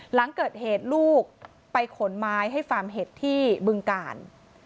หลังเกิดเหตุลูกไปขนไม้ให้ฟาร์มเห็ดที่บึงกาล